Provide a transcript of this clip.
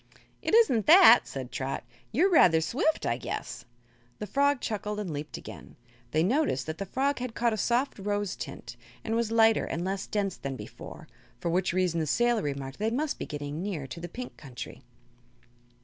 "It isn't that," said Trot. "You are rather swift, I guess." The frog chuckled and leaped again. They noticed that the fog had caught a soft rose tint, and was lighter and less dense than before, for which reason the sailor remarked that they must be getting near to the Pink Country.